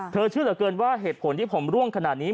เชื่อเหลือเกินว่าเหตุผลที่ผมร่วงขนาดนี้